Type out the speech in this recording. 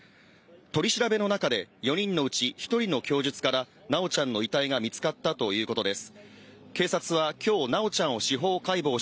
取り調べの中で、４人のうち１人の供述から、修ちゃんの遺体が見つかったということです。